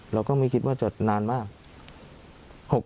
เราก็ไม่คิดว่าจะนานมาก